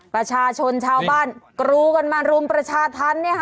ประชาชนชาวบ้านกรูกันมารุมประชาธรรม